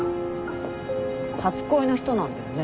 初恋の人なんだよね？